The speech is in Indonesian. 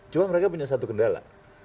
cuma mereka punya satu kendala